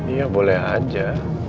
ya boleh aja